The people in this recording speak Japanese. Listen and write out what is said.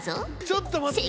ちょっと待って。